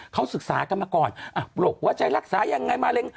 เขาศึกษากันมาก่อนปลวกหัวใจรักษายังไงมะเร็ง